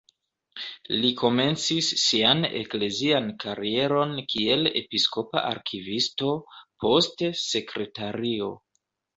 Li komencis sian eklezian karieron kiel episkopa arkivisto, poste sekretario.